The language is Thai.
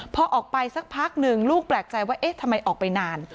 พอออกไปสักพักหนึ่งลูกแปลกใจว่าเอ๊ะทำไมออกไปนาน